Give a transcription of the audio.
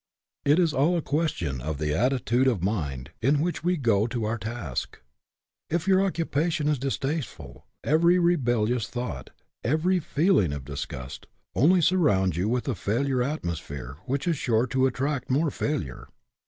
It is all a question of the attitude of mind in which we go to our task. If your occupation is distasteful, every re bellious thought, every feeling of disgust, only surrounds you with a failure atmosphere which is sure to attract more failure.